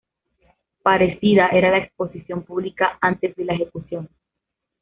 Parecida era la exposición pública antes de la ejecución.